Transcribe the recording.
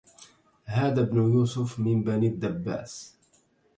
هذا ابن يوسف من بني الدباس